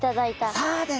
そうです！